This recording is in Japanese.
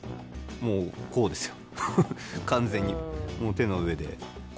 もうこうですよ。